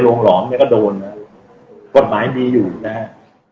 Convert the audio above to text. หลอมเนี่ยก็โดนนะกฎหมายมีอยู่นะฮะ